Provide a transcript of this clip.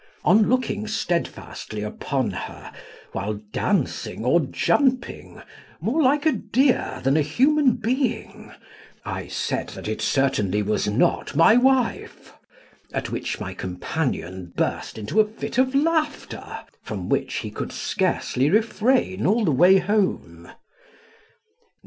On looking steadfastly upon her, while dancing or jumping, more like a deer than a human being, I said that it certainly was not my wife; at which my companion burst into a fit of laughter, from which he could scarcely refrain all the way home.